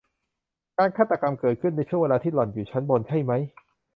การฆาตกรรมเกิดขึ้นในช่วงเวลาที่หล่อนอยู่ชั้นบนใช่มั้ย